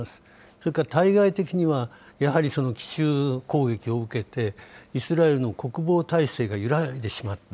それから対外的には、やはり奇襲攻撃を受けて、イスラエルの国防体制が揺らいでしまった。